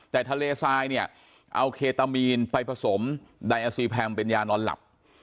แต่ทะเลทรายเนี่ยเอาเคตามีนไปผสมไดอาซีแพมเป็นยานอนหลับ